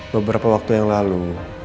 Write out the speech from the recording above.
beberapa waktu yang lalu